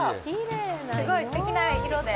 すごいすてきな色で。